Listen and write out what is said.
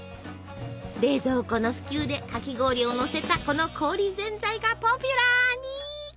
冷蔵庫の普及でかき氷をのせたこの氷ぜんざいがポピュラーに。